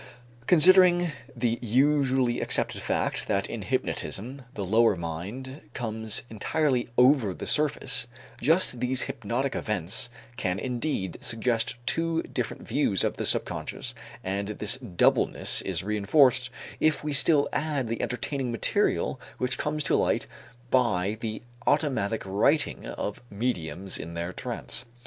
Considering the usually accepted fact that in hypnotism the lower mind comes entirely over the surface, just these hypnotic events can indeed suggest two different views of the subconscious and this doubleness is reënforced if we still add the entertaining material which comes to light by the automatic writing of mediums in their trance.